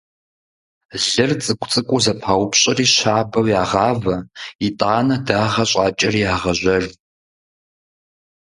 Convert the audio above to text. Лыр цӀыкӀу-цӀыкӀуу зэпаупщӀри щабэу ягъавэ, итӀанэ дагъэ щӀакӀэри ягъажьэж.